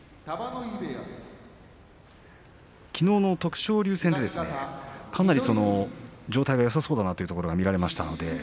きのうの徳勝龍戦で、かなり状態がよさそうだというところが見られました。